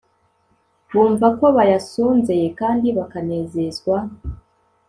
bumva ko bayasonzeye kandi bakanezezwa